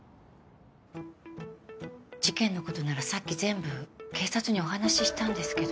事件のことならさっき全部警察にお話ししたんですけど。